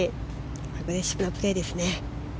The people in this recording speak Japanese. アグレッシブなプレーですね。